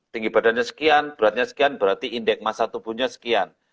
tinggi badannya sekian beratnya sekian berarti indeks masa tubuhnya sekian